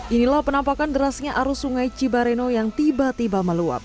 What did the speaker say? inilah penampakan derasnya arus sungai cibareno yang tiba tiba meluap